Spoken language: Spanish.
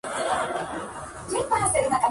Frecuentó, de manera regular, los salones de Mlle.